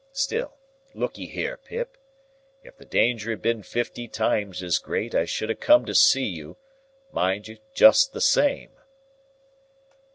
Still, look'ee here, Pip. If the danger had been fifty times as great, I should ha' come to see you, mind you, just the same."